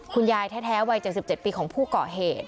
คุณยายแท้วัย๗๗ปีของผู้ก่อเหตุ